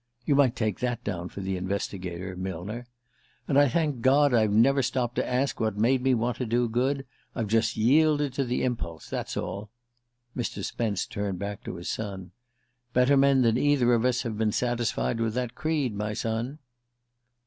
(You might take that down for the Investigator, Millner.) And I thank God I've never stopped to ask what made me want to do good. I've just yielded to the impulse that's all." Mr. Spence turned back to his son. "Better men than either of us have been satisfied with that creed, my son."